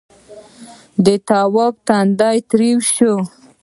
تواب تندی تريو شو.